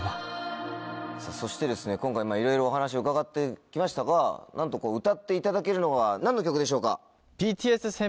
そして今回いろいろお話を伺って来ましたがなんと歌っていただけるのは何の曲でしょうか？